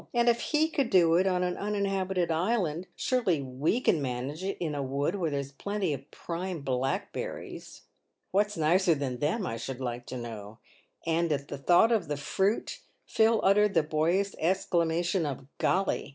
And if he could do it on an uninhabited island, surely we can manage it in a wood, where there's plenty of prime black berries. What's nicer than them I should like to know?" And at the thoughts of the fruit Phil uttered the boyish exclamation of " Golly